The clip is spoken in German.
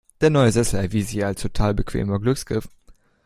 Der neue Sessel erwies sich als total bequemer Glücksgriff.